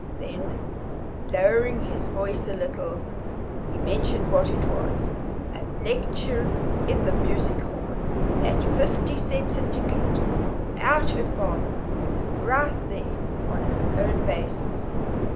Then lowering his voice a little, he mentioned what it was: a lecture in the Music Hall, at fifty cents a ticket, without her father, right there on her own basis.